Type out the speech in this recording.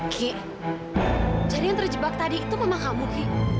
ki jadi yang terjebak tadi itu memang kamu ki